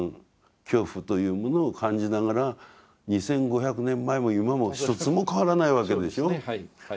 恐怖というものを感じながら２，５００年前も今も一つも変わらないわけでしょ。